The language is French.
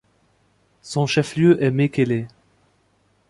Son chef-lieu est Mékélé.